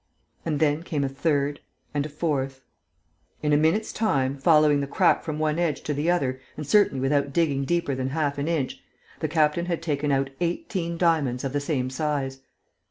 And then came a third and a fourth. In a minute's time, following the crack from one edge to the other and certainly without digging deeper than half an inch, the captain had taken out eighteen diamonds of the same size.